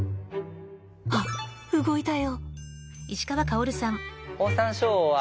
あ動いたよ。